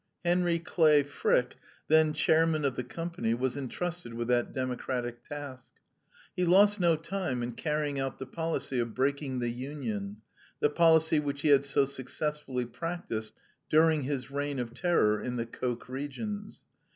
Henry Clay Frick, then Chairman of the Company, was intrusted with that democratic task. He lost no time in carrying out the policy of breaking the Union, the policy which he had so successfully practiced during his reign of terror in the coke regions.